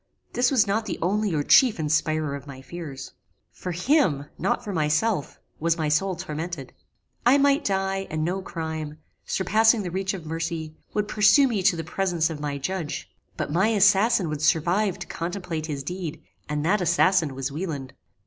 This was not the only or chief inspirer of my fears. For him, not for myself, was my soul tormented. I might die, and no crime, surpassing the reach of mercy, would pursue me to the presence of my Judge; but my assassin would survive to contemplate his deed, and that assassin was Wieland!